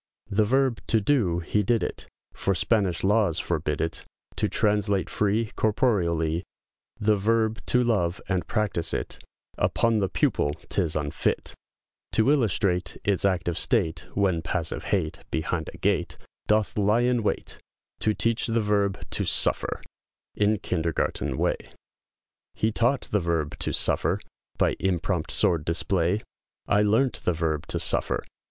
The verb "to do," he did it, For Spanish laws forbid it; To translate free, Corporeallee, The verb "to love," and practice it, Upon the pupil, 'tis unfit, To illustrate, Its active state, When passive hate, Behind a gate, Doth lie in wait, To teach the verb "to suffer," In kindergarten way; He taught the verb "to suffer," By impromt sword display, I learnt the verb "to suffer!"